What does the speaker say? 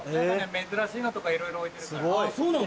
珍しいのとかいろいろ置いてるから。